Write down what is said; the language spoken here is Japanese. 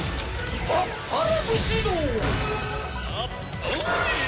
あっぱれ！